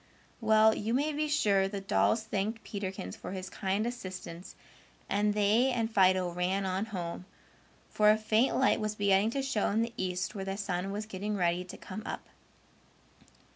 Well, you may be sure the dolls thanked Peterkins for his kind assistance and they and Fido ran on home, for a faint light was beginning to show in the east where the sun was getting ready to come up.